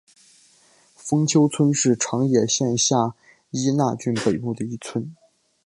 丰丘村是长野县下伊那郡北部的一村。